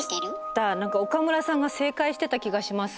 何か岡村さんが正解してた気がします。